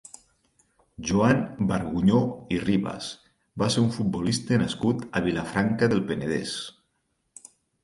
Joan Bargunyó i Ribas va ser un futbolista nascut a Vilafranca del Penedès.